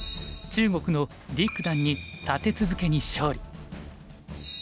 中国の李九段に立て続けに勝利。